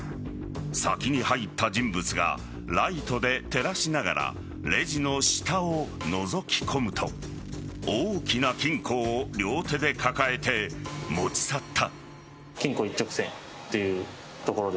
先に入った人物がライトで照らしながらレジの下をのぞき込むと大きな金庫を両手で抱えて持ち去った。